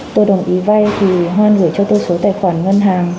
tôi đồng ý vay thì hoan gửi cho tôi số tài khoản ngân hàng